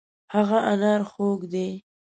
هغه انار خوږ دی.